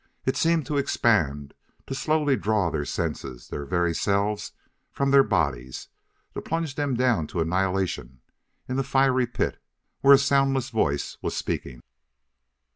It seemed to expand, to slowly draw their senses their very selves from their bodies, to plunge them down to annihilation in that fiery pit where a soundless voice was speaking.